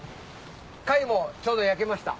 貝もちょうど焼けました。